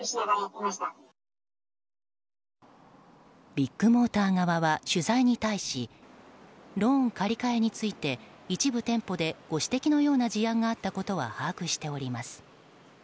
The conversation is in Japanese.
ビッグモーター側は取材に対しローン借り換えについて一部店舗でご指摘のような事案があったことは把握しております。